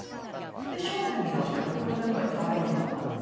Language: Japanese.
正面見直したら僕の目の前誰もいなくなってて。